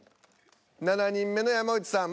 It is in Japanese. ７人目の山内さん